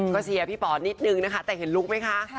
ก็เชียร์พี่ป๋อนิดนึงนะคะแต่เห็นลุคไหมคะ